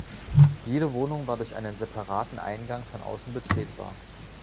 Jede Wohnung war durch einen separaten Eingang von außen betretbar.